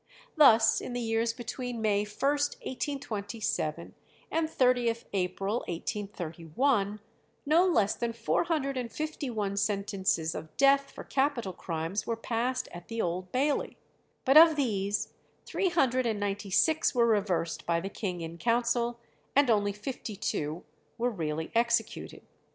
Thus in the years between May 1st, 1827, and 30th April, 1831, no less than four hundred and fifty one sentences of death for capital crimes were passed at the Old Bailey; but of these three hundred and ninety six were reversed by the king in council, and only fifty two were really executed.